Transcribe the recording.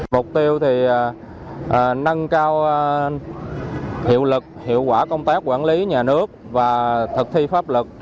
mục tiêu thì nâng cao hiệu lực hiệu quả công tác quản lý nhà nước và thực thi pháp luật